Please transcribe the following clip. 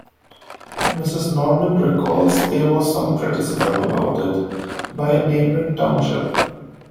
Mrs. Norman recalls that there was some criticism about it by a neighboring township.